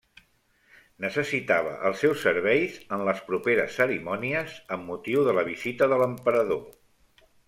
Necessitava els seus serveis en les properes cerimònies amb motiu de la visita de l'emperador.